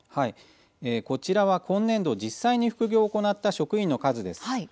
こちらは今年度実際に副業を行った職員の数です。